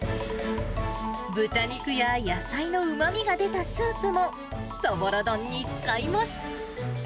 豚肉や野菜のうまみが出たスープも、そぼろ丼に使います。